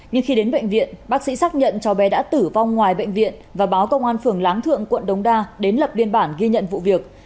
nhưng khi đến bệnh viện bác sĩ xác nhận cháu bé đã tử vong ngoài bệnh viện và báo công an phường láng thượng quận đông đa đến lập biên bản ghi nhận vụ việc